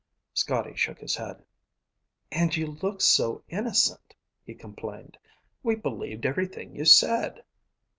Scotty shook his head. "And you looked so innocent," he complained. "We believed everything you said."